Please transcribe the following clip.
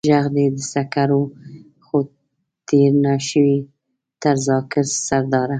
ژغ دې د سکر و، خو تېر نه شوې تر ذاکر سرداره.